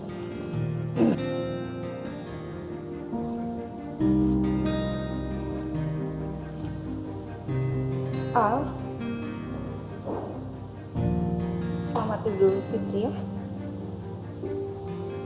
selamat tidur fitri ya